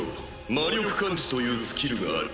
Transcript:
魔力感知というスキルがある。